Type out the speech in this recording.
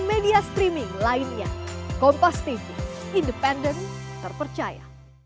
media streaming lainnya kompas tv independen terpercaya